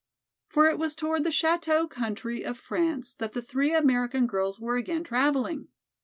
For it was toward the chateau country of France that the three American girls were again traveling.